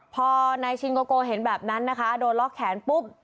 พอนายชินโกโกเห็นแบบนั้นนะคะโดนล็อกแขนปุ๊บ